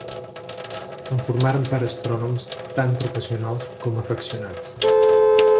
En formaren part astrònoms tant professionals com afeccionats.